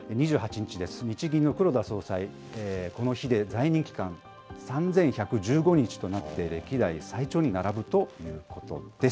日銀の黒田総裁、この日で在任期間３１１５日となって、歴代最長に並ぶということです。